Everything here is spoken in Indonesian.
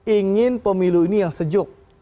ingin pemilu ini yang sejuk